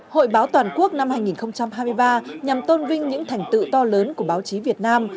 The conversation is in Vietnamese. hội báo toàn quốc năm hai nghìn hai mươi ba nhằm tôn vinh những thành tựu to lớn của báo chí việt nam